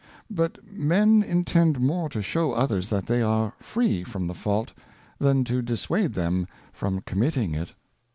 But Men intend more to shew others that they are free from the Fault, than to dissuade them from committing it.